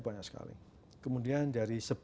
banyak sekali kemudian dari